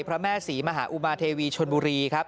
พระแม่ศรีมหาอุมาเทวีชนบุรีครับ